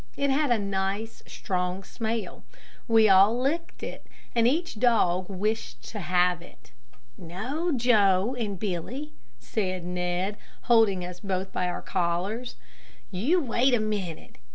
It had a nice, strong smell. We all licked it, and each dog wished to have it. "No, Joe and Billy," said Ned, holding us both by our collars; "you wait a minute.